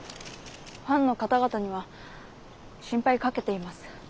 ファンの方々には心配かけています。